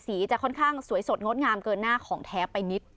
จะค่อนข้างสวยสดงดงามเกินหน้าของแท้ไปนิด